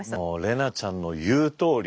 怜奈ちゃんの言うとおり。